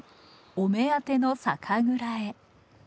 お目当ての酒蔵へ。